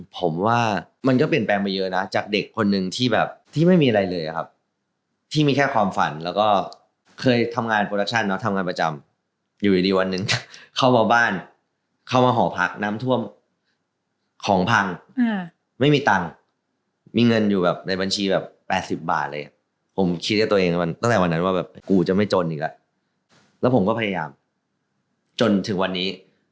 ผมว่ามันก็เปลี่ยนแปลงไปเยอะนะจากเด็กคนนึงที่แบบที่ไม่มีอะไรเลยครับที่มีแค่ความฝันแล้วก็เคยทำงานโปรดักชั่นเนาะทำงานประจำอยู่ดีวันหนึ่งเข้ามาบ้านเข้ามาหอพักน้ำท่วมของพังไม่มีตังค์มีเงินอยู่แบบในบัญชีแบบ๘๐บาทเลยอ่ะผมคิดในตัวเองตั้งแต่วันนั้นว่าแบบกูจะไม่จนอีกแล้วแล้วผมก็พยายามจนถึงวันนี้